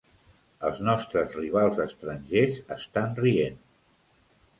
Els nostres rivals estrangers estan rient.